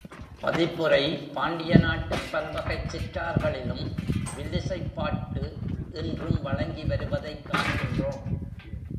பதிப்புரை பாண்டியநாட்டுப் பல்வகைச் சிற்றார்களிலும் வில்லிசைப் பாட்டு இன்றும் வழங்கி வருவதைக் காண்கின்றோம்.